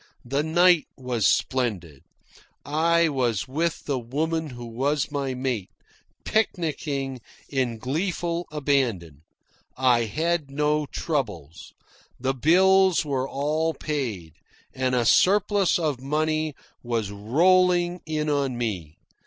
The night was splendid. I was with the woman who was my mate, picnicking in gleeful abandon. I had no troubles. The bills were all paid, and a surplus of money was rolling in on me.